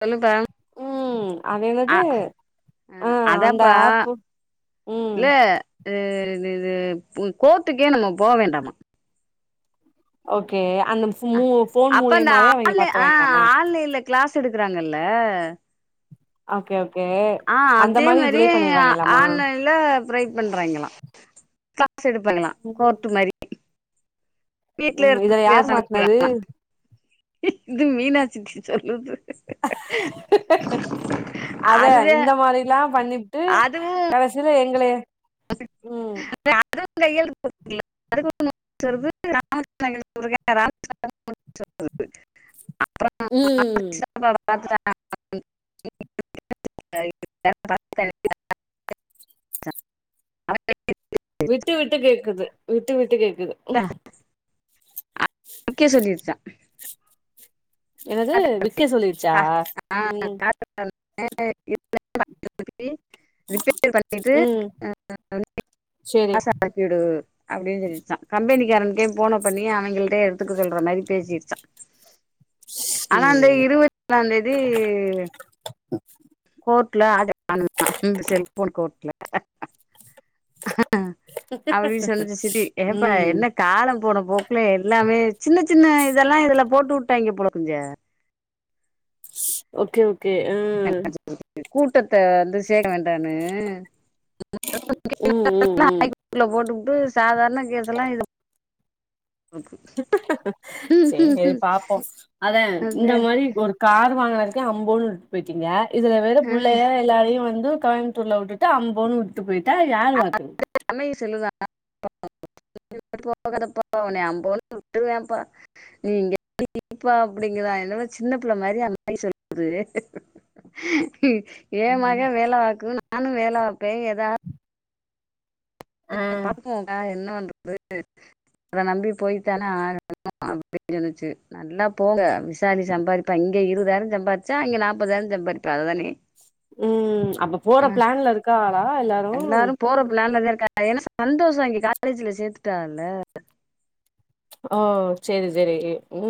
சொல்லுப்பா ம் அது அ என்னது அ ஆ அந்த அதாப்பா ஆப்பு ம் இல்ல இது இது இது ம் கோர்ட்டுக்கே நம்ப போ வேண்டாமா ஓகே அந்த ஃபோ அ மூ ஃபோன் அப்ப இந்த மூலியமாவே அவிங்க ஆன்லை ஆ பாத்துருவாய்ங்களாமா ஆன்லைன்ல க்ளாஸ் ஸ் எடுக்கறாங்கல்ல ஓகே ஓக் ஆ அதே மாறி ஆ ஆன்லைன்ல ட்ரை பண்றாய்ங்களா க்ளாஸ் எடுப்பாங்கலா ம் கோர்ட்டு மாரி வீட்ல ம் இதுல யார் இருந்து மாட்னது [unintelligible] இது மீனா சித்தி சொல்லுது அத அதுவே இந்த மாரில்லா பண்ணி ட்டு அதுவு கடசில எங்கள [inaudible] [unintelligible] ம் பாத்துட் [unintelligible] [unintelligible] விட்டு விட்டு கேக்குது விட்டு விட்டு கேக்குது ம் அன்னைக்கே சொல்லி வெஷ்ட்டா என்னது விக்கே சொல்லிருச்சா ம் [unintelligible] ரிப்பேர் பண்ணிட்டு ம் [inaudible] சேரி வாட்ஸாப் அனுப்பிவுடு அப்டின் சொல்லிடிச்சா கம்பெனிக்காரனுக்கே போன பண்ணி அவைங்களுக் ப்டே எடுத்துக்க சொல்ற மாரி பேசிரிச்சா ஆனா அந்த சேரி இருவத்தொன்னாந் தேதி கோர்ட்ல ஆஜர் பண்ணனுமா இந்த செல்போன் கோர்ட்ல அ அப்டின் சொல்லுச்சு சித்தி ஏப்பா ம் என்ன காலம் போன போக்குல எல்லாமே சின்ன சின்ன இதெல்லா இதுல போட்டு உட்டாய்ங்க போல கொஞ்ச ஓகே ஓகே ஆ கூட்டத்த வந்து சே வேண்டான்னு ம் ம் ம் [unintelligible] போட்டுபுட்டு சாதார் ண கேஸல்லா இது சேரி பாப்போ அதா இந்த மாரி ஒரு கார் வாங்கன க்கே அம்போனு விட்டு போய்ட்டீங்க இதுல வேற ஆ புள்ளைய எல்லாரையு வந் து கோயமுத்தூர்ல விட்டுட்டு அம்போன்னு விட்டுட்டு போய்ட்டா யாரு பாக்குறது [unintelligible] போகாதப்பா உன்ன அம்போனு விட்ருவான்பா நீ இங்க இருப்பா அப்படிங்கிதா என்னடா சின்ன புள்ளை மாரி அந் மாரி சொல்லுது ஏ மக வேல பாக்கு நானு‌ வேல பாப்பே எதா ஆ பாத்துக்வோன்கா என்ன பண்றது அவர நம்பி போய் தானே ஆகணு அப்டின் சொன்னுச்சு நல்லா போங்க விசாலி சம்பாரிப்பா இங் க இருவதாயிரோ சம்பார்ச்சா அங்க நாப்பதாய்ரோ சம்பாதிப்பா அதுதானே ம் அப்ப போற அஹ், ப்ளான்ல இருக்காகளா எல்லாரு ஏனா சந்தோஷ அங்க காலேஜில சேத்துட்டாகல ஒ செரி செரி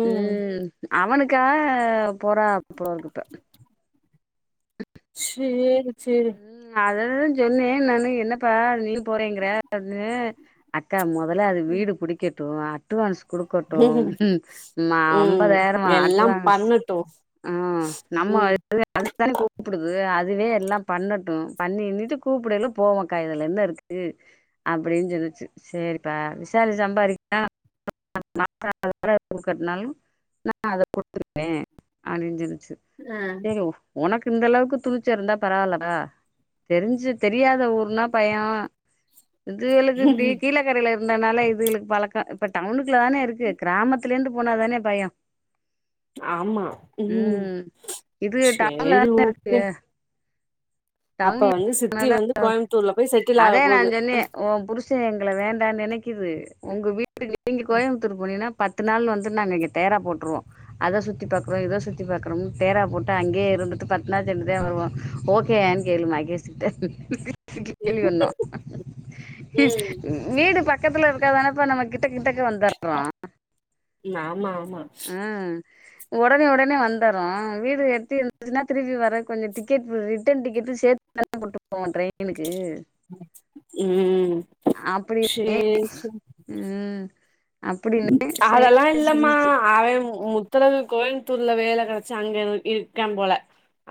ம் அவனுக்காக போறாகபோலர்க்கிப்ப சேரி சேரி ம் அது துதா சொன்னே நானு என்னப்பா நீயு போறேங்கிற அப்னு அத்த மொதல அது வீடு புடிக்கட்டு அட்டுவான்ஸ் குடுக்கட்டு ம் ம் அம்பதாயிரமா எல்லாம் அட்டுவான்ஸ் பண்ணட்டு ஆ நம்ம ம் [inaudible] அதுதானே கூப்புடுது அதுவே எல்லாம் பண்ணட்டு பண்ணி இன்னிட்டு கூப்புடைல போவோக்கா இதுல என்ன இருக்கு அப்டின்னு சொன்னுச்சு சே ரிப்பா விசாலு சம்பாரிக்கா [inaudible] குடுக்கறதுனாலு நா அத குடுத்துருப்பே அப்டினு சொன் சேரி ஆ சேகு ஒனக்கு இந்தளவுக்கு துணிச்ச இருந்தா பரவாயில்ல ஆ தெரிஞ்சு தெரியாத ஊர்னா பயோ இதுகளுக்கு இப்டி கீழக்கரையில இருந்ததுனால இதுகளுக்கு பழக்க இப்ப டவுனுக்குள்ள தானே இருக்கு கிராமத்துலேருந்து போனா தானே பயோ ம் இதுக டவுன்ல சேரி தானே இருக்குக ஓகே அப்ப டவுன்ல வந்து சித்தி வந்து கோயம்புத்தூர்ல போய் செட்டில் [inaudible] ஆக அதே நா போது சொன்னே ஓ புருஷ் ஷ எங்கள வேண்டானு நெனைக்குது உங்க வீட்டுக்கு நீங்க கோயமுத்தூர் போனீனா பத்து நாள் வந்து நாங்க இங்க டேரா போட்டுருவோ அத சுத்தி பாக்குறோ இத சுத்தி பார்குறோம்னு டேரா போட்டு அங்கேயே இருந்துட்டு பத்நாள் சென்டுதா வருவோ ஓகேயான்னு கேளு மகேஸுட்ட [inaudible] கேள்வி வர்ணு ம் வீடு பக்கத்துல இருக்க தானப்ப நமக்கு கிட்ட கிட்டக்கு வந்தர்லா ஆமா ஆமா ஆ ஒடனே ஒடனே வந்துரு வீடு எட்டி இருந்துச்சுன்னா திருப்பி வர கொஞ்ச டிக்கெட் ரிட்டன் டிக்கெட் ரெண்டு சேத்து தான கொண்டு போவோ ட்ரெயினுக்கு ம் அப்டி சேரி சேரி [inaudible] ம் அப்டின்னு அதெல்லா சேரி இல்லம்மா சொல்லிச்சு அவன் முத்தழகு கோயமுத்தூர்ல வேல கெடைச்சு அங்க இருக்கான் போல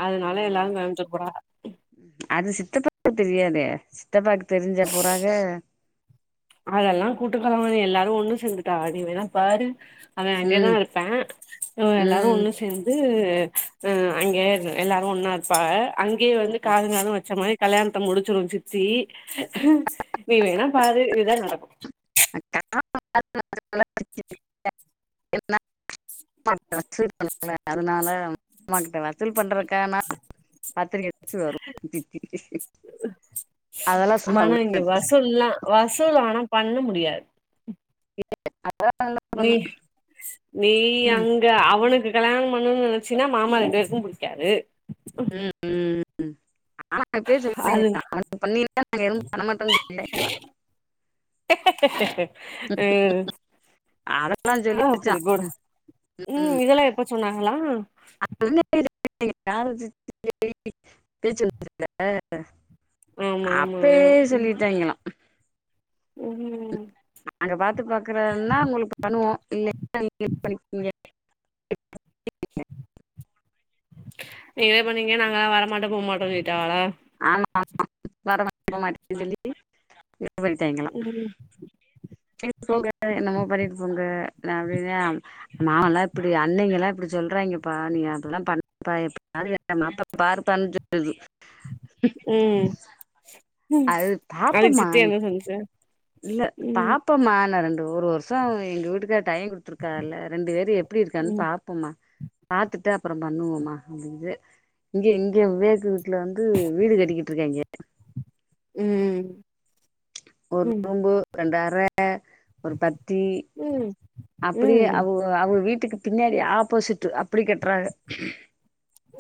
அதனால ம் எல்லாரு நெனச்ச போறா அது சித்தப்பாக்கு தெரியாதே சித்தப்பாக்கு தெரிஞ்சா போறாக அதெல்லா கூட்டுக் களவாணி எல்லாரு ஒன்னு சேந்துட்டாக நீ வேணா பாரு அவன் அங்கேதா ம் இருப்பா ஆ எல்லாரு ம் ஒன்னு சேந்து ஆ ஆ அங்கேயே எல்லாரு ஒன்னா இருப்பாக அங்கேயே வந்து காதுங்காது வச்ச மாரி கல்யாணத்த முடிச்சிரு சித்தி நீ வேணா பாரு இதா நடக்கு [inaudible] [inaudible] அதனால அம்மாக்கிட்ட வசூல் பண்ற க்கானா பத்திரக்க அடிச்சு வரு சித்தி ஆனா இங்க வசூல்லா வசூல் ஆனா பண்ண முடியாது நீ பண்ணு நீ ம் அங்க அவனுக்கு கல்யாண பண்ணணுன்னு நெனைச்சின்னா மாமா ரெண்டு பேருக்கும் புடிக்காது ம் ம் ஆனா நா இப்பயே சொல்ட்ட அங்க அது [inaudible] நாங்க எதுவு பண்ண மாட்டோனு [inaudible] அதெல்லாம் ஆ அப்டி சொல்லிருச்சான் போடு ம் இதெல்லா எப்ப சொன்னாங்களா அது சொன்னப்ப [inaudible] பேச்சு வந்துருக்காதுல்ல ஆமா ஆமா அப்பேயே ம் சொல்லிட்டாய்ங்களா ம் நாங்க பாத்து பாக்குறன்னா உங்களுக்கு பண்ணுவோ இல்லேன்னா நீங்களே பண்ணிக்குங்க [inaudible] நீங்களே பண்ணிக்குங்க நாங்களா வரமாட்டோ போ மாட்டோனு சொல்லிட்டாவளா ஆமா ஆமா வர மாட் [inaudible] போ மாட்டோன்னு சொல்லி வேவல் தேய்ங்கலா ம் சேரி போங்கத்த என்னமோ பண்ணிட்டு போங்க நா அப்டிதா மாமல்லா இப்டி அண்ணங்கல்லா இப்டி சொல்றாய்ங்கப்பா நீ அப்பில்லா பண்ணப்பா [inaudible] எப்பயாது நீ மாப்ள பாருப்பானு சொல்லுது ம் அது அதுக்கு பாப்பம்மா சித்தி என்ன சொன்னுச்சு இல்ல ம் பாப்பம்மா நா ரெண்டு ஒரு வருஷ எங்க வீட்டுக்கார் டைம் குடுத்துருக்கால ரெண்டு பேரு எப்படி இருக்கான்னு ம் பாப்போம பாத்துட்டு அப்புறோ பண்ணுவோமா அப்டின் இங்க இங்க விவேக் வீட்டுல வந்து வீடு கட்டிக்கிட்டு இருக்காய்ங்க. ம் ஒரு ம் ரூம்பு ரெண்டு அற அ ஒரு பத்தி ம் அப்படியே ம் அவக அவக வீட் டுக்கு பின்னாடி ஆப்போசிட் அப்படி கட்றாங்க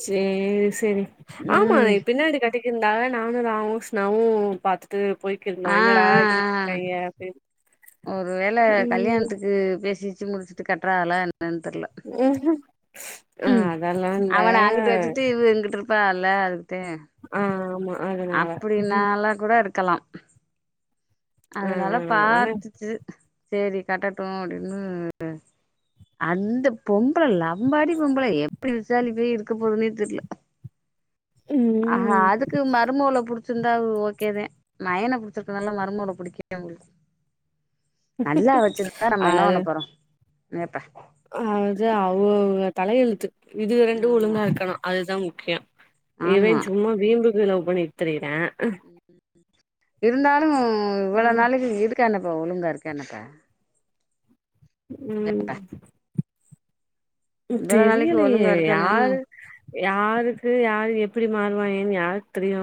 சேர் சேரி ஆமா ம் பின்னாடி கட்டி இருந்தால நானு ராமகிருஷ்ணாவு பாத்துட்டு போய்க்கிருந்தோ ஆ என்னடா ஆ இப்டி கட்டிருக்காய்ங்க அப்டின்னு அ ஒருவேள ம் கல்யாணத்துக்கு பேசிச் சி முடிச்சுட்டு கட்டுறாகலா என்னான் தெர்ல ம் ஆ ம் அதெல்லா இல்ல அவன அங்குட்டு வச்சிட்டு இவக இங்கிட்டு இருப்பாகல்ல அது ஆ ஆமா அதனால அப்டி நல்லா கூட இருக் க்கலாம் ஆ ஆ அதனால அதா பாத்துச்சு சேரி கட்டட்டும் அப்டின்னு அந்த பொம்பள லம்பாடி பொம்பள எப்படி விசாலி போய் இருக்க போதுன்னே தெர்ல ஆஹ ம் அதுக்கு ம புடிச்சிருந்தா ஓகேதே மயன புடிச்சிருக்கதுனால மருமோவள புடிக்கு உங்ளுக் நல்லா வச்சிருந்தா நம்ம என்ன அது பண்ண போறோ [unintelligible] அது அவங்கவ்ங்க தலையெழுத்து இதுக ரெண்டு ஆமா ஒழுங்கா ருக்கணு அதுதா முக்கியொ இவே ஆமா சும்மா வீம்புக்கு லவ் பண்ணிட் திரியுறா இருந்தாலு இவ்வளோ ம் நாளைக்கு இருக்கானப்பா ஒழுங்கா இருக்கானப்பா ம் ம் இவ்வள நாளைக்கு ஒழுங்கா தெரியலையே இருக்கானே யாரு யாருக்கு யாரு எப் ப்படி மாறுவாங்கேனு யார்க்கு தெரியு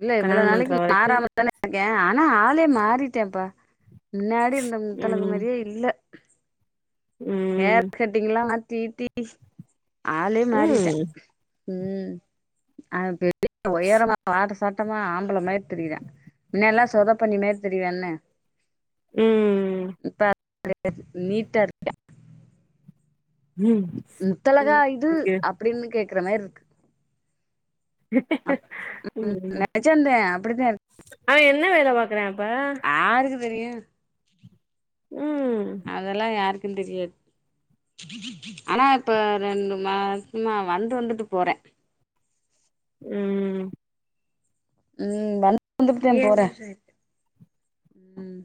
இல்ல இவ்வளோ கல்யாணம் பண்ற நாளைக்கு வரைக்கு மாறாம தான ஏ ஆனா ஆளே மாறிட்டேன்ப்பா முன்னாடி இருந்த முத்தழகு ம் மாரியே இல்ல ஹேர் ம் கட்டிங் எல்லா மாத்தி கித்தி ஆளே மாறிட்ட ம் ம் அது [inaudible] உயரமா வாட்ட சாட் ! ! ! ! ! ! ! ! ! ! ம் ம் [inaudible] நீட்டா இருப்பயா ம் முத்தழகா ம் இது ஓகே அப்டின்னு கேக்குற மார்ருக்கு ம் ம் நெஜந்தே அப்டிதா இருக்கு ஆனா என் என்ன வேல பாக்குறா இப்ப யாருக்கு தெரியு ம் அதெல்லா யாருக்கு தெரியாது ஆனா இப்ப ரெண்டு மாசமா வந்து வந்துட்டு போறே ம் ம் வந்து [inaudible] வந்துட்டுத போறே ம்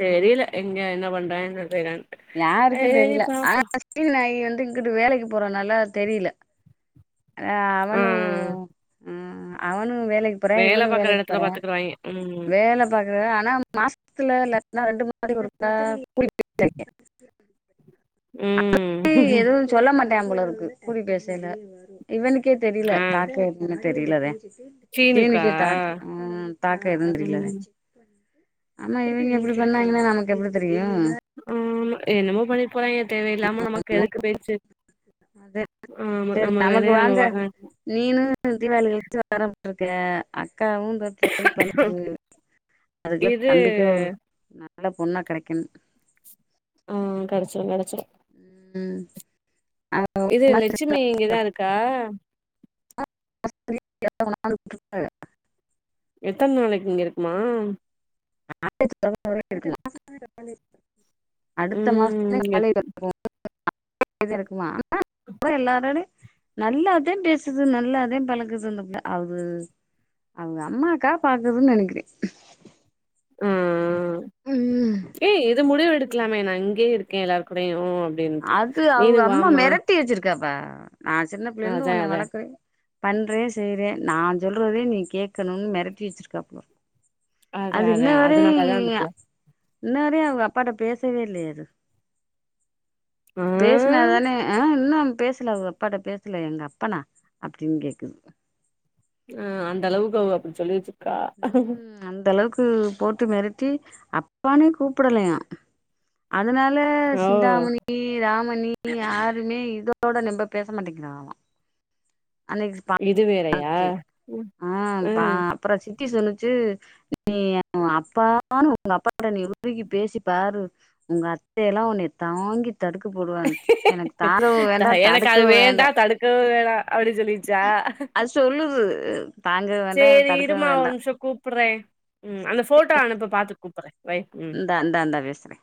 தெரியல எங்க என்ன பண்றா என்ன செய்றான் யாருக்குன் தெரியல ஆனா [inaudible] நாயு வந் து இங்கிட்டு வேலைக்கு போறனால தெரியல ஆ அவனு ம் னு வேலைக்கு போறே வேல இவனு பாக்குற வேலைக்கு எடத்துல போறா பாத்துக்குருவாய்ங்க ம் வேல பாக்குற ஆனா மாசத்துல இல்லாட்டினா ரெண்டு [inaudible] ஒருக்கா ம் ட்டா போல இருக்கு கூடி பேசைல இவனுக்கே தெரில ஆ தாக்க எப்டின்னு தெரியலத சீனுக்கா சீனுக்கே தாக் அ தாக்க எதுவு தெரிலத ம் ஆனா இவிங்க இப்டி பண்ணாங்கன்னா நமக்கு எப்டி தெரியு ஆமா என்னமோ பண்ணிட்டு போறாங்க தேவயில்லாம நமக்கு எதுக்கு பேச்சு அதா ஆமா சேரி நம்ம நமக்கு வேலைய நம்ம வாங்க பாக்க நீனு தீவாளி கழிச்சி வாறேம்ட்டுருக்க அக்காவு‌ இந்தா ட்ரை பண்ணுது அதுக்குல்ல இது தம்பிக்கு ஒரு நல்ல பொண்ணா கெடைக்கணு ஆ கெடச்சிரு கெடச்சிரு ம் இது லெட்சுமி இங்கதா இருக்கா [inaudible] எத்தன நாளைக்கு இங்க இருக்குமா காலேஜ் தொறக்குற வரைக்கு இருக்குமா அடுத்த ம் மாசத்துலயு எத் காலேஜ் [inaudible] காலேஜ் இருக்குமா ஆ அவ எல்லாரோடயு நல்லாதா பேசுது நல்லாதா பழகுது அந்த புள்ள அது அவுக அம்மாக்காக பாக்குதுன் நெனைக்கிறே ஆ ஆ ஏ இது முடிவு எடுக்கலாமே நா இங்கயே இருக்கே எல்லாரு கூடயு அப்டின்ட்டு அது அவுக நீனு அம்மா வாமா மிரட்டி வச்சிருக்கேப்ப நா சின்ன பிள்ளேலருந்து அதா ஒன்னய அதா வளக்குறே பண்றே செய்றே நா சொல்றதே நீ கேட்கணுன்னு மிரட்டி வச்சிருக்கே அப்பறோ அதா அது அதா இன்ன அதனாலதா அந்த வரைய புள்ள இன்ன வரையு அவுக அப்பாட்ட பேசவே இல்லையே அது பேசுனா தானே ஆ இன்னம் பேசல அவுக அப்பாட்ட பேசல எங்க அப்பனா அப்டின் கேக்குது ஆ அந்த அளவுக்கு அவுக அப்புடி சொல்லிவச்சுருக்காக அது போட்டு மிரட்டி அப்பான்னே கூப்டலயா அ அதுனால ஓ சிந்தாமணி ராமணி யாருமே இதோட நெம்ப பேச மாட்டேங்கிறாங்களா அன்னைக்கு இது வேறயா பாத்துச்சு ம் ஆ பா ம் அப்பறோ சித் தி சொன்னுச்சி நீ அப்பான்னு ஒங்க அப்பாட்ட நீ உருகி பேசிப்பாரு உங்க அத்தை எல்லா உன்னய தாங்கி தடுக்கு போடுவான்னுச்சு எனக்கு தாங்கவு வேண்டா எனக்கு அது தடுக்கவு வேண்டா தடுக்கவு வேணா அப்டி சொல்லிருச்சா அது சொல்லுது தாங்கவு வேண்டா சேரி தடுக்கவு இருமா ஒரு வேண்டா நிமிஷோ கூப்ட்றே ம் அந்த போட்டோ அனுப்பு பாத்துட்டு கூப்ட்றே இந்தாந்தா இந்தா பேசுறே